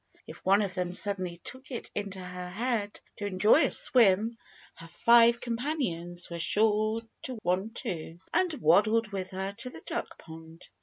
If one of them suddenly took it into her head to enjoy a swim her five companions were sure to want one too, and waddled with her to the duck pond.